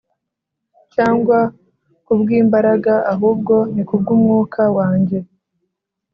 Cyangwa ku bw’imbaraga ahubwo ni ku bw’umwuka wanjye